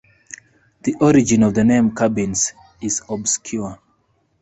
The origin of the name "Cabins" is obscure.